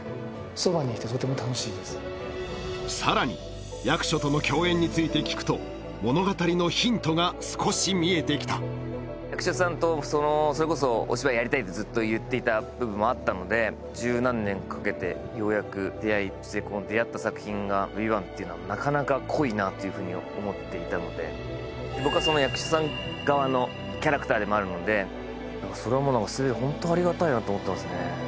そばにいてとても楽しいですさらに役所との共演について聞くと物語のヒントが少し見えてきた役所さんとそれこそお芝居やりたいってずっと言っていた部分もあったので十何年かけてようやく出会いそして出会った作品が「ＶＩＶＡＮＴ」っていうのはなかなか濃いなっていうふうに思っていたので僕は役所さん側のキャラクターでもあるのでそれはもうホントありがたいなって思ってますね